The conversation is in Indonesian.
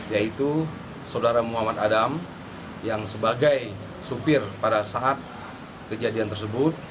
yaitu saudara muhammad adam yang sebagai supir pada saat kejadian tersebut